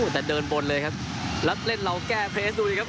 แต่เดินบนเลยครับแล้วเล่นเราแก้เพลสดูสิครับ